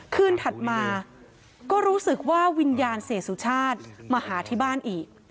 ถัดมาก็รู้สึกว่าวิญญาณเสียสุชาติมาหาที่บ้านอีก